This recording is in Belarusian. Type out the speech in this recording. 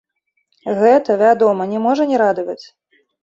Гэта, вядома, не можа не радаваць.